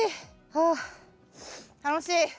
はあ楽しい！